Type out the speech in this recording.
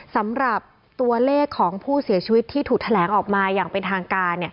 สำหรับตัวเลขของผู้เสียชีวิตที่ถูกแถลงออกมาอย่างเป็นทางการ